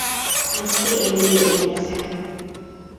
Мәскәй әбейгә әйләнәсәкһең!